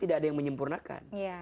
tidak ada yang menyempurnakan